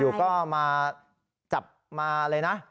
อยู่ก็มาจับมาเลยนะ